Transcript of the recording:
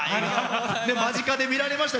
間近で見られました。